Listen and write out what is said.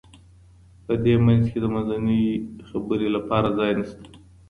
په دې منځ کي د منځنۍ خبري لپاره ځای نسته.